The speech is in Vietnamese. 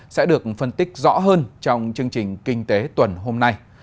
sẽ được phân tích rõ hơn trong chương trình kinh tế tuần hôm nay